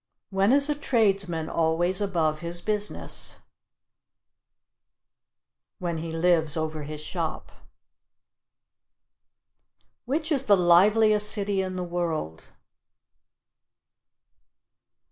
When is a tradesman always above his business? When he lives over his shop. Which is the liveliest city in the world?